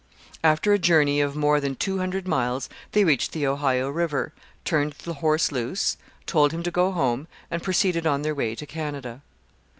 After a journey of more than two hundred miles they reached the Ohio river, turned the horse loose, told him to go home, and proceeded on their way to Canada.